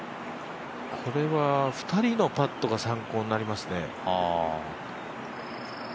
これは２人のパットが参考になりますね。